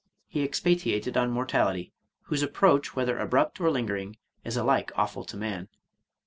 He expatiated on mortality, whose approach, whether abrupt or lingering, is alike awful to man.